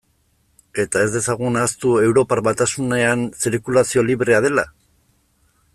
Eta ez dezagun ahaztu Europar Batasunean zirkulazioa librea dela?